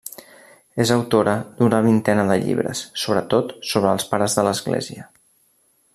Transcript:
És autora d'una vintena de llibres, sobretot sobre els Pares de l'Església.